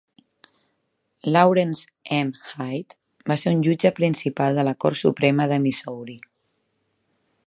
Laurance M. Hyde va ser un jutge principal de la Cort Suprema de Missouri.